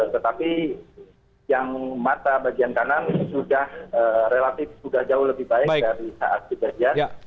tetapi yang mata bagian kanan sudah relatif sudah jauh lebih baik dari saat kejadian